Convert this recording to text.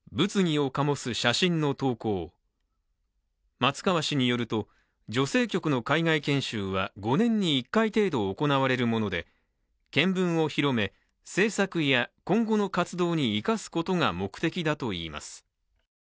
松川氏によると、女性局の海外研修は５年に１回程度行われるもので、見聞を広め、政策や今後の活動に生かすことが目的だといいます。